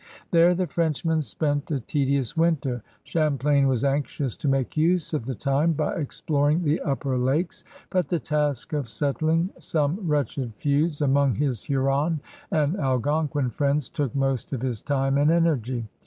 There the Frenchmen spent a tedious winter. Champlain was anxious to make use of the time by exploring the upper lakes, but the task of settling some wretched feuds among his Hiuron and Algonquin friends took most of his time and energy.